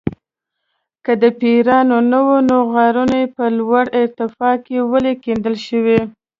که د پیریانو نه وي نو غارونه په لوړه ارتفاع کې ولې کیندل شوي.